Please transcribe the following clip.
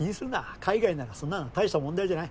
海外ならそんなのたいした問題じゃない。